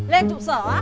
lên trụ sở